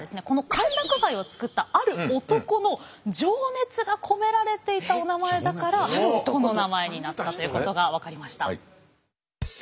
この歓楽街を作ったある男の情熱が込められていたおなまえだからこのおなまえになったということが分かりました。